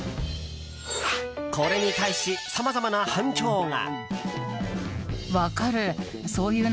これに対し、さまざまな反響が。